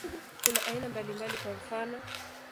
Kuna aina mbalimbali, kwa mfano.